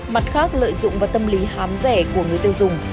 mặt khác lợi dụng vào tâm lý hám rẻ của người tiêu dùng